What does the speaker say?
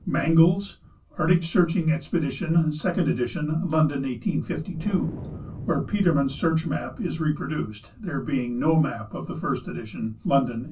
Mangle's Arctic Searching Expedition, 2d edition, London, 1852, where Peterman's Search Map is reproduced (there being no map of the first edition, London, 1851).